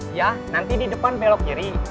iya nanti di depan belok kiri